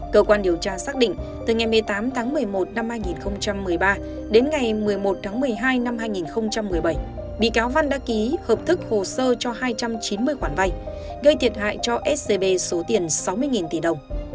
cơ quan điều tra xác định từ ngày một mươi tám tháng một mươi một năm hai nghìn một mươi ba đến ngày một mươi một tháng một mươi hai năm hai nghìn một mươi bảy bị cáo văn đã ký hợp thức hồ sơ cho hai trăm chín mươi khoản vay gây thiệt hại cho scb số tiền sáu mươi tỷ đồng